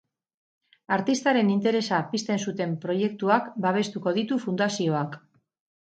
Artistaren interesa pizten zuten proiektuak babestuko ditu fundazioak.